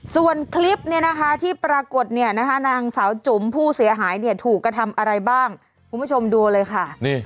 ส่วนคลิปที่ปรากฏนางสาวจุ่มผู้เสียหายถูกกระทำอะไรบ้างคุณผู้ชมดูเลยค่ะ